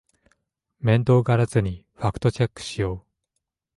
面倒がらずにファクトチェックしよう